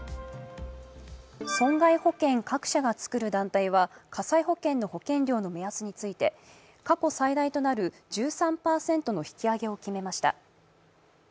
損害保険各社が作る団体は火災保険の保険料の目安について過去最大となる１３％の引き上げを決めました。